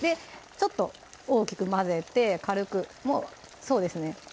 ちょっと大きく混ぜて軽くそうですね